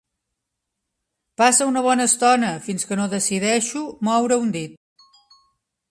Passa una bona estona fins que no decideixo moure un dit.